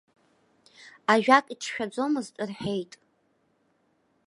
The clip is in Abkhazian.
Ажәак иҿшәаӡомызт, рҳәеит.